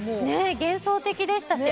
幻想的でしたよね。